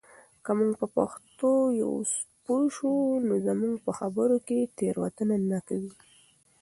که موږ په پښتو پوه سو نو زموږ په خبرو کې تېروتنه نه وي.